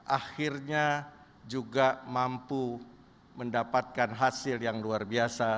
akhirnya juga mampu mendapatkan hasil yang luar biasa